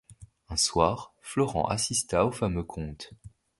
Un soir, Florent assista aux fameux comptes.